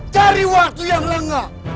dari waktu yang lengah